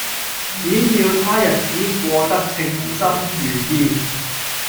只要他日子過得稱心如意